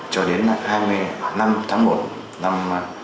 hai mươi một cho đến hai mươi năm tháng một năm hai nghìn một mươi chín